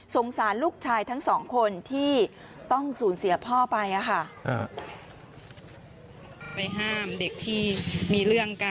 สารลูกชายทั้งสองคนที่ต้องสูญเสียพ่อไปค่ะ